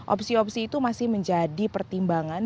opsi opsi itu masih menjadi pertimbangan